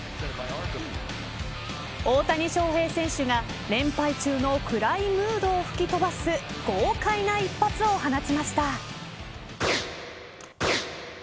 大谷翔平選手が連敗中の暗いムードを吹き飛ばす豪快な一発を放ちました。